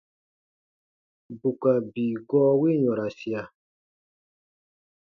Bù ka bii gɔɔ wi yɔ̃rasia.